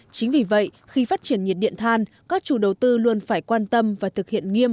chính vì vậy khi phát triển nhiệt điện than các chủ đầu tư luôn phải quan tâm và thực hiện nghiêm